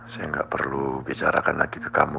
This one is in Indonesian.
saya nggak perlu bicarakan lagi ke kamu